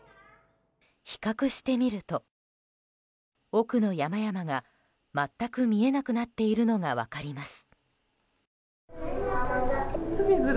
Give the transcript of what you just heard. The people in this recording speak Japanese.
比較してみると、奥の山々が全く見えなくなっているのが分かります。